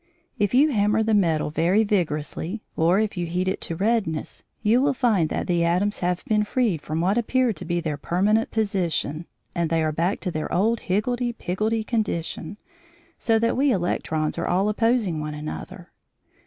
If you hammer the metal very vigorously, or if you heat it to redness, you will find that the atoms have been freed from what appeared to be their permanent position, and they are back to their old higgledy piggledy condition, so that we electrons are all opposing one another.